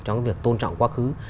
trong cái việc tôn trọng quá khứ